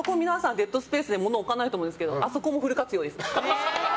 デッドスペースで物を置かないと思うんですけどあそこもフル活用です。